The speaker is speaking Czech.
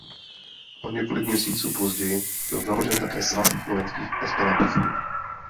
O několik měsíců později byl založen také Svaz slovenských esperantistů.